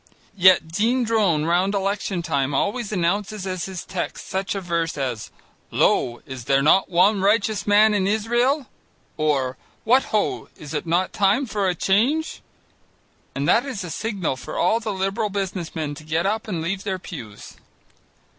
Yet Dean Drone round election time always announces as his text such a verse as: "Lo! is there not one righteous man in Israel?" or: "What ho! is it not time for a change?" And that is a signal for all the Liberal business men to get up and leave their pews.